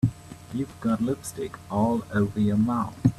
You've got lipstick all over your mouth.